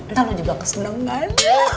ntar lu juga kesenangan